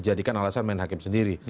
kemudian dijadikan alasan main hakim sendiri